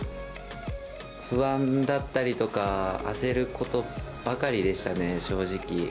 不安だったりとか、焦ることばかりでしたね、正直。